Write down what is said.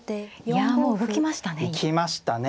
いやもう動きましたね。